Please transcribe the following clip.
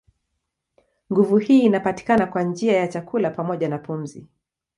Nguvu hii inapatikana kwa njia ya chakula pamoja na pumzi.